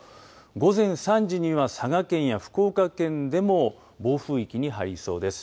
午前３時には佐賀県や福岡県でも暴風域に入りそうです。